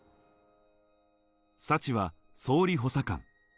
サチは総理補佐官。